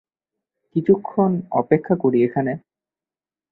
কিছুক্ষণ অপেক্ষা করি এখানে।